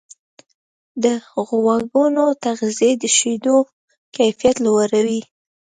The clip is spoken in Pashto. د غواګانو تغذیه د شیدو کیفیت لوړوي.